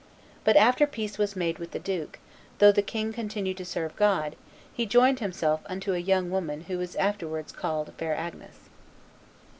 But after peace was made with the duke, though the king continued to serve God, he joined himself unto a young woman who was afterwards called Fair Agnes.